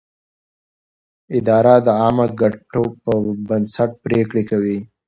اداره د عامه ګټو پر بنسټ پرېکړې کوي.